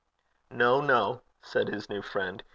'No, no,' said his new friend.